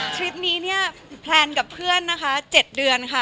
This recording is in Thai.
คลิปนี้เนี่ยแพลนกับเพื่อนนะคะ๗เดือนค่ะ